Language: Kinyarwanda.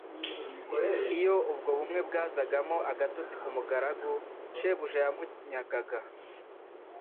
Iyo ubwo bumwe bwazagamo agatotsi ku mugaragu, shebuja yaramunyagaga,